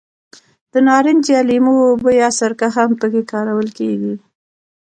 د نارنج یا لیمو اوبه یا سرکه هم په کې کارول کېږي.